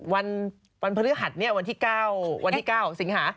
วันพฤหัสวันที่๙สิงหา